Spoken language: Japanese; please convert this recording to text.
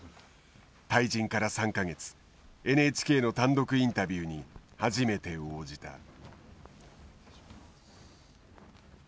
退陣から３か月ＮＨＫの単独インタビューに初めて応じた。